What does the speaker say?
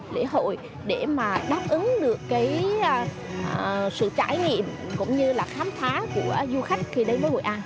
lễ hội để mà đáp ứng được sự trải nghiệm cũng như là khám phá của du khách khi đến với hội an